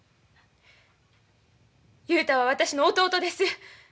雄太は私の弟です。